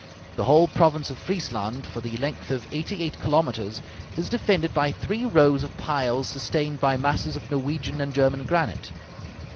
The whole province of Friesland, for the length of eighty eight kilometres, is defended by three rows of piles sustained by masses of Norwegian and German granite.